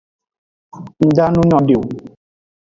Nda nu nyode o.